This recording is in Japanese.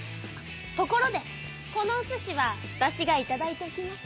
ところでこのおすしはわたしがいただいておきます。